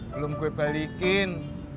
belum gue balikin